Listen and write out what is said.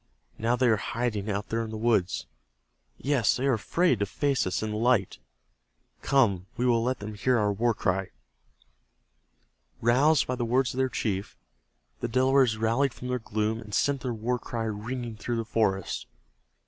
Now they are hiding out there in the woods. Yes, they are afraid to face us in the light. Come, we will let them hear our war cry." Roused by the words of their chief, the Delawares rallied from their gloom and sent their war cry ringing through the forest.